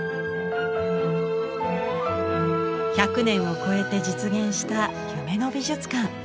１００年を超えて実現した夢の美術館。